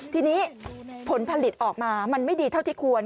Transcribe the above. ทีนี้ผลผลิตออกมามันไม่ดีเท่าที่ควร